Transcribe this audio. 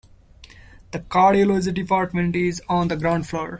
The Cardiology department is on the ground floor.